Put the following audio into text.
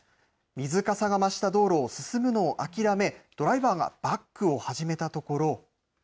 水かさが増した道路を進むのを諦め、ドライバーがバックを始めたところ。